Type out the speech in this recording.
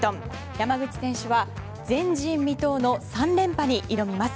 山口選手は前人未到の３連覇に挑みます。